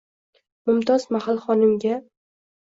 Mumtoz Mahal xonimga: